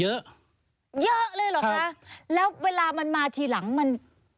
เยอะเลยเหรอคะเรามันเวลามันมาถีหลังมัน